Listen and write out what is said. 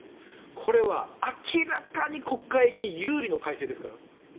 これは明らかに国会議員有利の改正ですから。